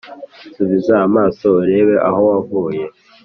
subiza amaso urebe aho wavuye